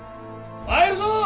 参るぞ！